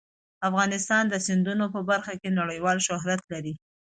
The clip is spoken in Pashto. افغانستان د سیندونه په برخه کې نړیوال شهرت لري.